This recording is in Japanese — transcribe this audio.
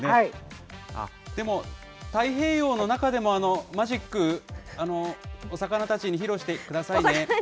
でも、太平洋の中でもマジック、お魚たちに披露してくださいね。